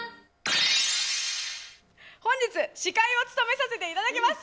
本日、司会を務めさせていただきます